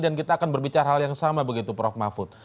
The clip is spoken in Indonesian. dan kita akan berbicara hal yang sama begitu prof mahfud